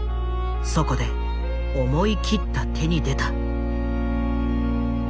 そこで思い切った手に出た。